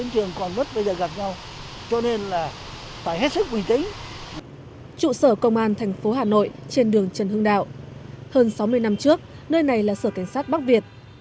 trụ sở công an thành phố hà nội trên đường trần hưng đạo hơn sáu mươi năm trước nơi này là sở cảnh sát bắc việt